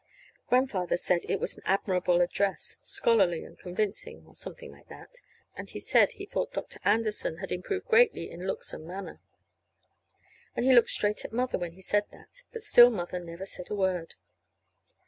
Grandfather said it was an admirable address, scholarly and convincing, or something like that. And he said that he thought Dr. Anderson had improved greatly in looks and manner. And he looked straight at Mother when he said that; but still Mother never said a word.